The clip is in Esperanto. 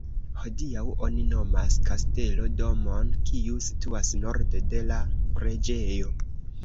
Hodiaŭ oni nomas "Kastelo" domon, kiu situas norde de la preĝejo.